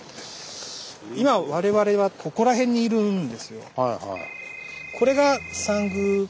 今我々はここら辺にいるんですよ。